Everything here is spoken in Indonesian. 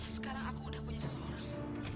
sekarang aku udah punya seseorang